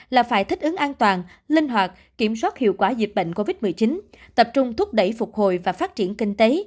là phải thích ứng an toàn linh hoạt kiểm soát hiệu quả dịch bệnh covid một mươi chín tập trung thúc đẩy phục hồi và phát triển kinh tế